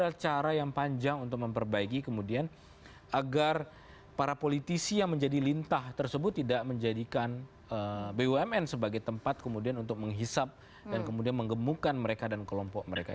dan juga yang panjang untuk memperbaiki kemudian agar para politisi yang menjadi lintah tersebut tidak menjadikan bumn sebagai tempat kemudian untuk menghisap dan kemudian mengemukkan mereka dan kelompok mereka